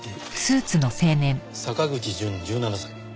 坂口淳１７歳。